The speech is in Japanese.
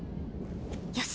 よし。